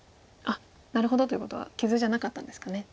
「なるほど」ということは傷じゃなかったんですかね。